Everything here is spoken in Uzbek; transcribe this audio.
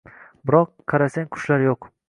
Biroq, qarasang qushlar yo’q.